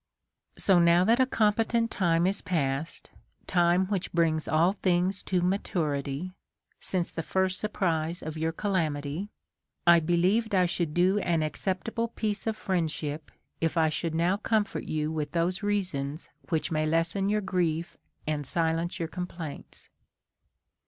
2. So now that a competent time is past — time which brings all things to maturity — since the first surprise of your calamity, I believed I should do an acceptable piece of friendship, if I should now comfort you with those reasons which may lessen your grief and silence your complaints.